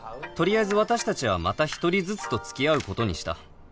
取りあえず私たちはまた１人ずつと付き合うことにした